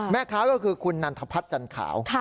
แม่ค้าก็คือคุณนันทพัฒน์จันขาว